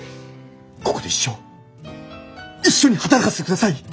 ここで一生一緒に働かせてください！